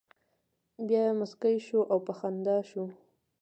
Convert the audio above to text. بیا مسکی شو او په خندا شو.